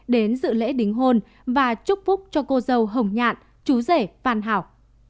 dự lễ đính hôn và chúc phúc cho cô dâu hồng nhạn chú rể phan hảo